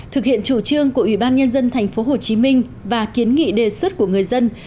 thực hiện chủ trương của ủy ban nhân dân tp hcm và kiến nghị đề xuất của người dân